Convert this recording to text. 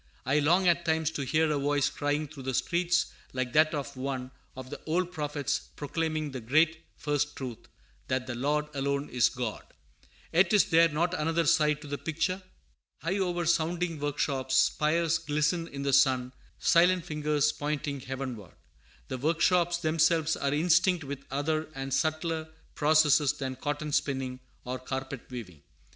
I long at times to hear a voice crying through the streets like that of one of the old prophets proclaiming the great first truth, that the Lord alone is God. Yet is there not another side to the picture? High over sounding workshops spires glisten in the sun, silent fingers pointing heavenward. The workshops themselves are instinct with other and subtler processes than cotton spinning or carpet weaving.